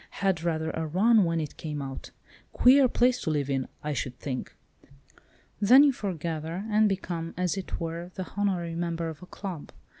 Had rather a run when it came out. Queer place to live in, I should think.' Then you foregather, and become, as it were, the honorary member of a club.